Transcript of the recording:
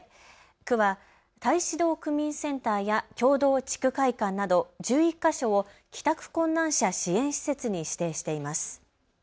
区は太子堂区民センターや経堂地区会館など１１か所を帰宅困難者支援施設に指定しています。